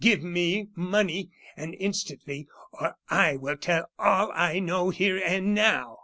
Give me money, and instantly, or I will tell all I know here and now!"